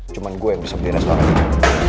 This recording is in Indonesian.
cuma gue yang bisa beli restoran ini